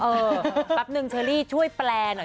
เออแปปหนึ่งเชอรี่ช่วยแปลหน่อย